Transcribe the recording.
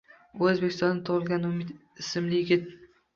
U O'zbekistonda tug'ilgan Umid ismli yigit